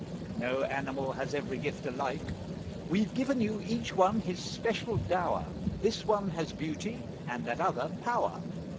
No animal has every gift alike: We've given you each one his special dower; This one has beauty, and that other power.